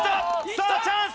さあチャンス！